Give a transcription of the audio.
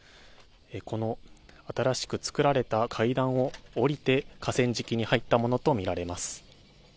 この新しく作られた階段を下りて河川敷に入ったものとみられます。